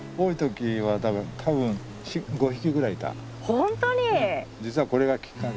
本当に！？